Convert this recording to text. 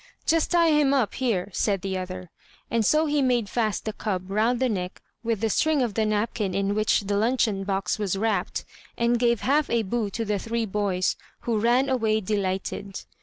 "Just tie him up here," said the other; and so he made fast the cub round the neck with the string of the napkin in which the luncheon box was wrapped, and gave half a bu to the three boys, who ran away delighted.